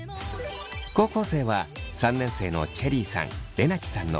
高校生は３年生のチェリーさんれなちさんの２人。